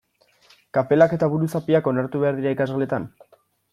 Kapelak eta buruzapiak onartu behar dira ikasgeletan?